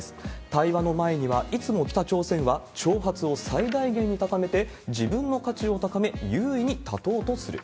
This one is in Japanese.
対話の前には、いつも北朝鮮は挑発を最大限に高めて、自分の価値を高め、優位に立とうとする。